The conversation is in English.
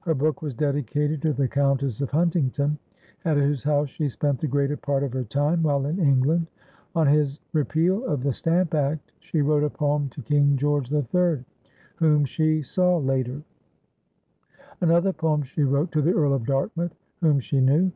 Her book was dedicated to the Countess of Huntington, at whose house she spent the greater part of her time while in England. On his repeal of the Stamp Act, she wrote a poem to King George III, whom she saw later; another poem she wrote to the Earl of Dartmouth, whom she knew.